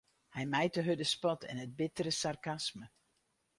Hy mijt de hurde spot en it bittere sarkasme.